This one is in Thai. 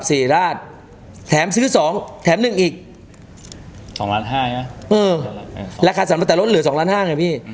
สีราชแถมซื้อสองแถมหนึ่งอีก๒๕ล้านนะราคาสรรพ์ใต้ลดเหลือ๒๕ล้านนะพี่